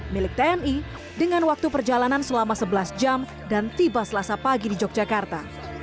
milik tni dengan waktu perjalanan selama sebelas jam dan tiba selasa pagi di yogyakarta